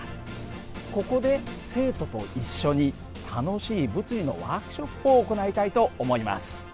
ここで生徒と一緒に楽しい物理のワークショップを行いたいと思います。